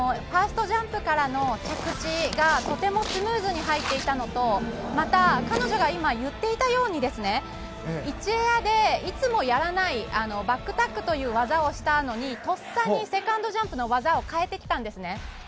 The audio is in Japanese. ファーストジャンプからの着地がとてもスムーズに入っていたのとまた、彼女が今言っていたように１エアでいつもやらないバックタックという技をしたのにとっさにセカンドジャンプの技を変えてきたんです。